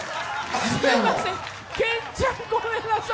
健ちゃん、ごめんなさい。